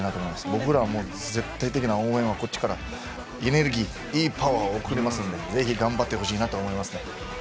僕ら絶対的な応援こっちからエネルギーいいパワー送るのでぜひ頑張ってほしいなと思います。